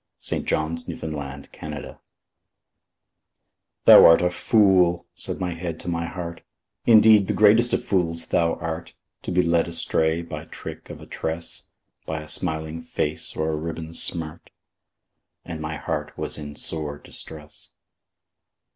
Paul Laurence Dunbar Retort THOU art a fool," said my head to my heart, "Indeed, the greatest of fools thou art, To be led astray by trick of a tress, By a smiling face or a ribbon smart;" And my heart was in sore distress.